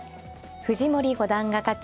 藤森五段が勝ち